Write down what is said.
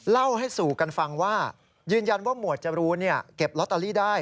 เล่าให้สู่กันฟังว่ายืนยันว่าหมวดจรูนเก็บลอตเตอรี่ได้